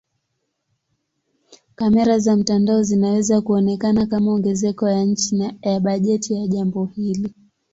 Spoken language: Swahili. Kamera za mtandao zinaweza kuonekana kama ongezeko ya chini ya bajeti ya jambo hili.